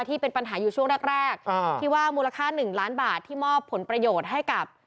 ที่เป็นปัญหาอยู่ช่วงแรกแรกที่ว่ามูลค่าหนึ่งล้านบาทที่มอบผลประโยชน์ให้กับ